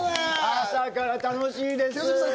朝から楽しいです。